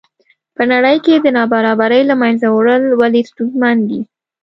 په نړۍ کې د نابرابرۍ له منځه وړل ولې ستونزمن دي.